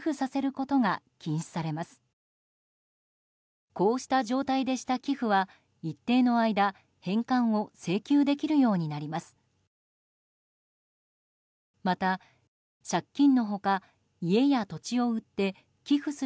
こうした状態でした寄付は一定の間返還を請求できるようになります。